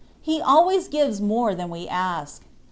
He always gives more than we ask.